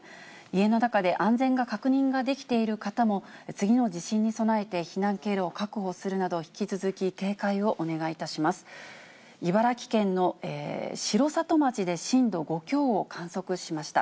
家の中で安全が確認ができている方も次の地震に備えて避難経路を確保するなど、引き続き、警戒をお願いいたします。